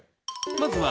まずは